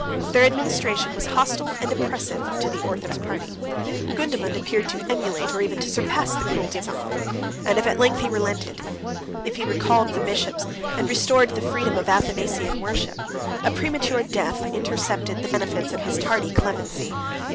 Their administration was hostile and oppressive to the orthodox party. Gundamund appeared to emulate, or even to surpass, the cruelty of his uncle; and, if at length he relented, if he recalled the bishops, and restored the freedom of Athanasian worship, a premature death intercepted the benefits of his tardy clemency.